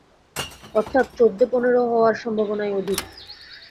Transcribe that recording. অর্থাৎ চৌদ্দেপনেরো হওয়ার সম্ভাবনাই অধিক।